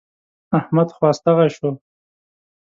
احمد خوا ستغی شو.